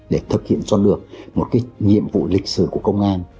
để thực hiện cho được một cái nhiệm vụ lịch sử của công an